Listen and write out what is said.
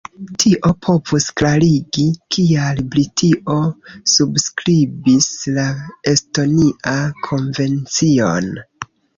Tio povus klarigi, kial Britio subskribis la Estonia-kovencion.